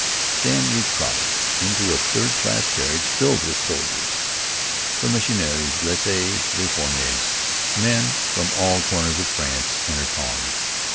Then we crowded into a third class carriage filled with soldiers permissionnaires, blessés, réformés, men from all corners of France and her colonies.